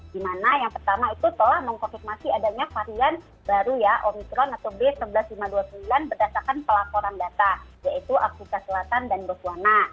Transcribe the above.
di mana yang pertama itu telah mengkonfirmasi adanya varian baru ya omikron atau b seribu lima ratus dua puluh sembilan berdasarkan pelaporan data yaitu afrika selatan dan boswana